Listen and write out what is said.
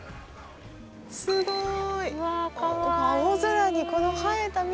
すごい、◆